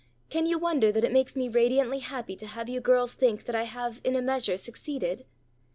Can you wonder that it makes me radiantly happy to have you girls think that I have in a measure succeeded?"